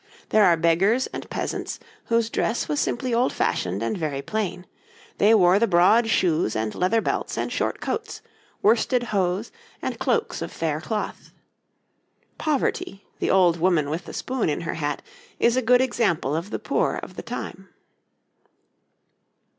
There are beggars and peasants, whose dress was simply old fashioned and very plain; they wore the broad shoes and leather belts and short coats, worsted hose, and cloaks of fair cloth. 'Poverty,' the old woman with the spoon in her hat, is a good example of the poor of the time.